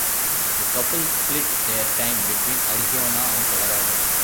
The couple split their time between Arizona and Colorado.